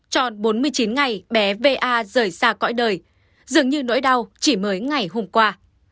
tròn bốn mươi chín ngày bé va rời xa cõi đời dường như nỗi đau chỉ mới ngày hôm qua